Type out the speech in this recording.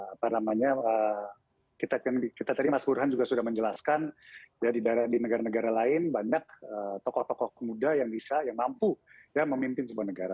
apa namanya kita tadi mas burhan juga sudah menjelaskan di negara negara lain banyak tokoh tokoh muda yang bisa yang mampu memimpin sebuah negara